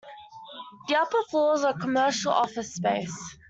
The upper floors are commercial office space.